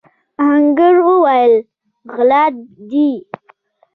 آهنګر وويل: غله دي!